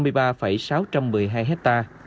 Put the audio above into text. quy mô diện tích năm mươi ba sáu trăm một mươi hai ha